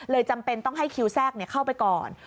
จำเป็นต้องให้คิวแทรกเข้าไปก่อน